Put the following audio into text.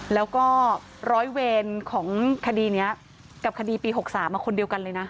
แล้วก็ร้อยเวรของคดีนี้กับคดีปี๖๓คนเดียวกันเลยนะ